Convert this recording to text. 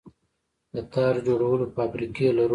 د تار جوړولو فابریکې لرو؟